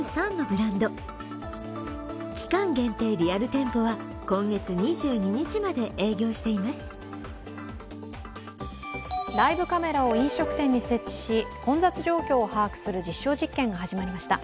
ライブカメラを飲食店に設置し、混雑状況を把握する実証実験が始まりました。